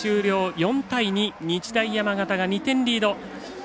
４対２、日大山形が２点リード。